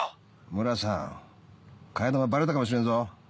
村さん替え玉バレたかもしれんぞ。